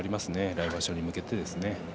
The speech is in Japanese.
来場所に向けてですね。